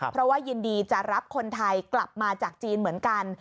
เพราะว่ายินดีจะรับคนไทยกลับมาจากจีนเหมือนกัน